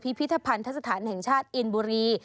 พิธภัณฑสถานแห่งชาติอินบุรี